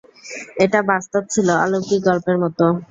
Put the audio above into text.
এটা বাস্তব ছিল, অলৌকিক গল্পের মত।